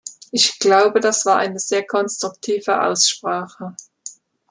Ich glaube, das war eine sehr konstruktive Aussprache.